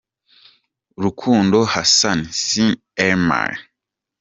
Rukundo Hassan - Cine Elmay “”.